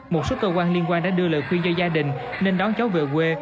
một số cơ quan liên quan đã đưa lời khuyên cho gia đình nên đón cháu về quê